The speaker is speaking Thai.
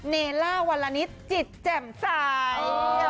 เนล่าวันนี้จิตแจ่มใส